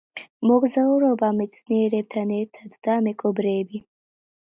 მოგზაურობა მეცნიერებთან ერთად“ და „მეკობრეები!